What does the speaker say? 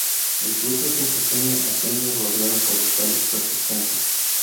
El fruto es un pequeño aquenio rodeado por el cáliz persistente.